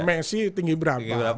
messi tinggi berapa